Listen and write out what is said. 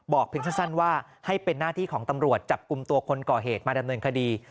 เพียงสั้นว่าให้เป็นหน้าที่ของตำรวจจับกลุ่มตัวคนก่อเหตุมาดำเนินคดี